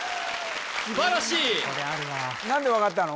素晴らしい何で分かったの？